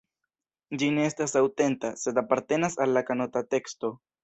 Ĝi ne estas aŭtenta, sed apartenas al la kanona teksto.